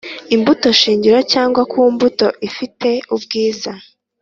imbuto shingiro cyangwa ku mbuto ifite ubwiza